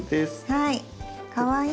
はい。